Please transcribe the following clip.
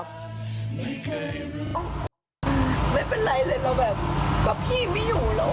ไม่เป็นไรเลยนะครับพี่ไม่อยู่แล้ว